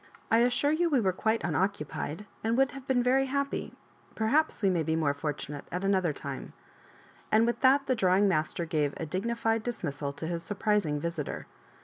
I as sure you we were quite unoccupied, and would have been very happy — perhaps we may be more fortunate at another time;" and with that the drawings master gave a dignified dismissal to bis surprising visitor.